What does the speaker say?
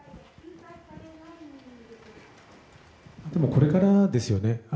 これからですよね。